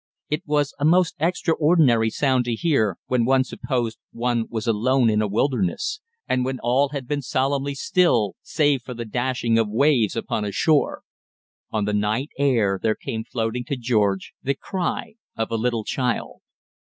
It was a most extraordinary sound to hear when one supposed one was alone in a wilderness, and when all had been solemnly still save for the dashing of waves upon a shore. On the night air there came floating to George the cry of a little child.